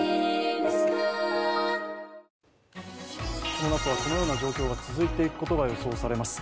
この夏はこのような状況が続くことが予想されます。